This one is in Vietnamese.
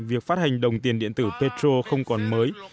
việc phát hành đồng tiền điện tử petro không còn mới